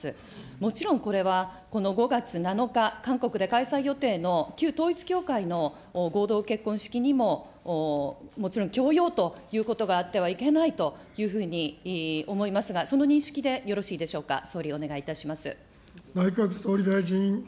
もちろん、これはこの５月７日、韓国で開催予定の旧統一教会の合同結婚式にも、もちろん強要ということがあってはいけないというふうに思いますが、その認識でよろしいでしょうか、総理、お願いいたします。